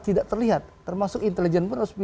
tidak terlihat termasuk intelijen pun resmi